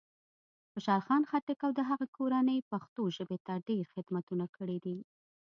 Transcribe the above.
خوشال خان خټک او د هغه کورنۍ پښتو ژبې ته ډېر خدمتونه کړي دی.